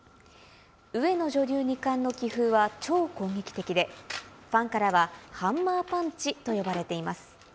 上野女流二冠の棋風は超攻撃的で、ファンからはハンマーパンチと呼ばれています。